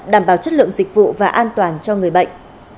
đảm bảo chất lượng dịch vụ và an toàn cho người bệnh